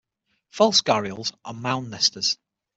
False gharials are mound-nesters.